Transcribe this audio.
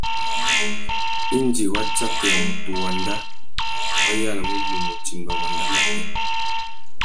Indi wa tsakeya mutu wanda, wa yānamú munú timba wanda matê.